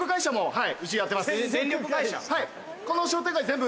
はい。